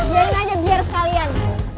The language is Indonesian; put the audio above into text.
biarin aja biar sekalian